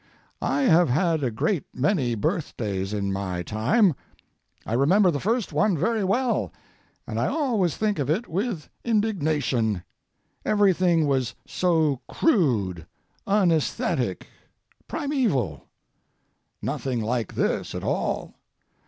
I have had a great many birthdays in my time. I remember the first one very well, and I always think of it with indignation; everything was so crude, unaesthetic, primeval. Nothing like this at all.